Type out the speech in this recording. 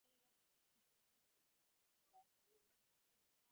The term could probably refer to the word for shark, "Jerung".